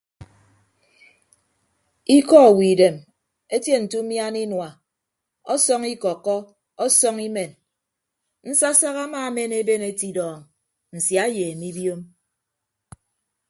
Ikọ owo idem etie nte umiana inua ọsọñ ikọkkọ ọsọñ imen nsasak amaamen eben etidọọñ nsia eyeeme ibiom.